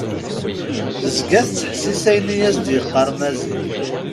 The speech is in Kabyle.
Tezga tettḥessis ayen i as-d-yeqqar Maziɣ.